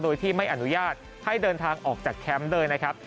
โดยที่ไม่อนุญาตให้เดินทางออกจากแคมป์ด้วยนะครับ